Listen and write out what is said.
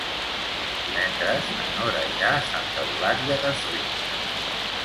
Divendres na Nora irà a Santa Eulària des Riu.